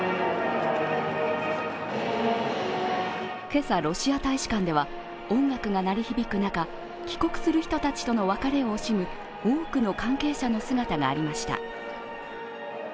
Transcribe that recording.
今朝、ロシア大使館では音楽が鳴り響く中、帰国する人たちとの別れを惜しむ多くの関係者の姿がありました。